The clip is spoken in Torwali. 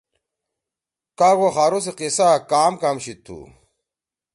کآگ و خارو سی قیصہ آ کآم کآم شید تھو؟